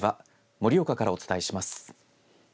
盛岡からお伝えします。